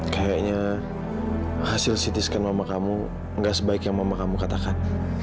kayaknya hasil sitiskan mama kamu gak sebaik yang mama kamu katakan